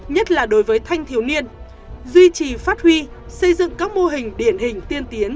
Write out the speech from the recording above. nhất là đối với thanh thiếu niên duy trì phát huy xây dựng các mô hình điển hình tiên tiến